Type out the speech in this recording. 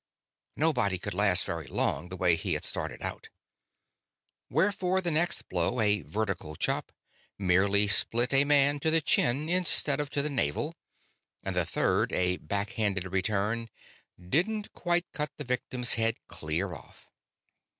Nobody could last very long, the way he had started out. Wherefore the next blow, a vertical chop, merely split a man to the chin instead of to the navel: and the third, a back hand return, didn't quite cut the victim's head clear off.